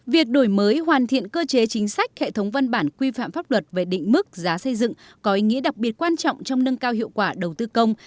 việc đổi mới hoàn thiện cơ chế chính sách hệ thống văn bản quy phạm pháp luật về định mức giá xây dựng có ý nghĩa đặc biệt quan trọng trong nâng cao hiệu quả đầu tư công